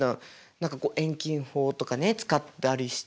何かこう遠近法とかね使ったりして。